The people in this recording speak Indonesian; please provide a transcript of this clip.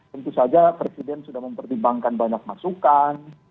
tentu saja presiden sudah mempertimbangkan banyak masukan